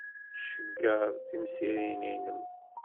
Cegger timsirin-nnem.